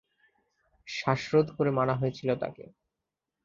শ্বাসরোধ করে মারা হয়েছিল তাকে।